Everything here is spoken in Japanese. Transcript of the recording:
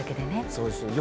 そうですよ。